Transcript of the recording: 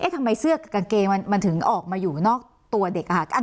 ทำไมเสื้อกางเกงมันถึงออกมาอยู่นอกตัวเด็กค่ะ